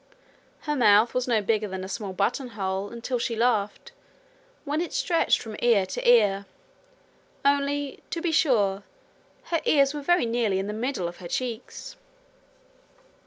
Her mouth was no bigger than a small buttonhole until she laughed, when it stretched from ear to ear only, to be sure, her ears were very nearly in the middle of her cheeks.